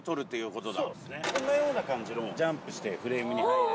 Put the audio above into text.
こんなような感じのジャンプしてフレームに入る。